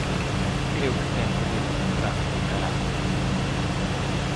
Creo que ten que ver cun trazo de carácter.